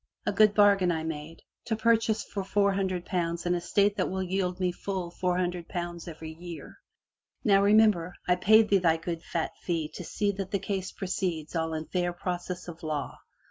A good bargain I made — to purchase for four hundred pounds an estate that will yield me full four hundred pounds every year. Now, remember, I paid thee thy good fat fee to see that the case proceeds all in fair process of law.